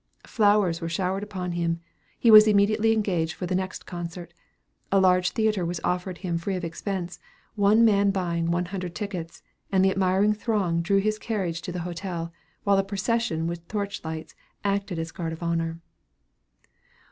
Flowers were showered upon him. He was immediately engaged for the next concert; a large theatre was offered him free of expense, one man buying one hundred tickets, and the admiring throng drew his carriage to the hotel, while a procession with torchlights acted as guard of honor.